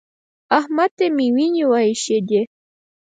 احمد ته مې وينې وايشېدې.